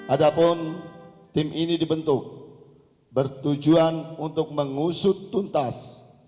adapun tim ini dibentuk bertujuan untuk mengusut tuntas